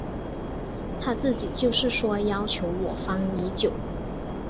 他自己就是说要求我方已久。